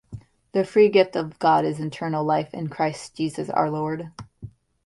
The free gift of God is eternal life in Christ Jesus our lord.